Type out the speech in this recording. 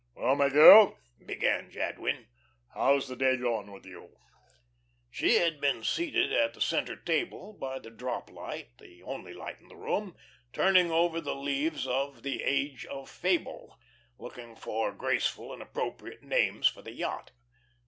"Well, my girl," began Jadwin, "how's the day gone with you?" She had been seated at the centre table, by the drop light the only light in the room turning over the leaves of "The Age of Fable," looking for graceful and appropriate names for the yacht.